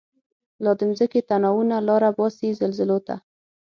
لا د مځکی تناوونه، لاره باسی زلزلوته